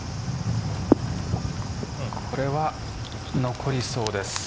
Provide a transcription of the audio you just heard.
これは残りそうです。